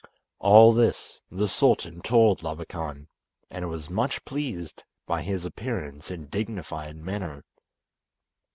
All this the sultan told Labakan, and was much pleased by his appearance and dignified manner.